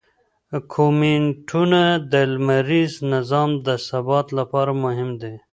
کومیټونه د لمریز نظام د ثبات لپاره مهم دي.